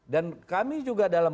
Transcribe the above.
dan kami juga dalam